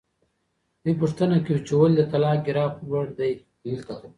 دوی پوښتنه کوي چې ولې د طلاق ګراف لوړ دی.